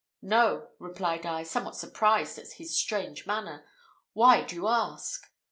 "No," replied I, somewhat surprised at his strange manner. "Why do you ask?"